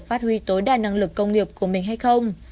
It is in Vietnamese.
phát huy tối đa năng lực công nghiệp của mình hay không